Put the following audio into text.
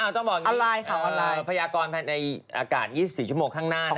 อ้าวต้องบอกนิดหน่อยพญากรในอากาศ๒๔ชั่วโมงข้างหน้านะ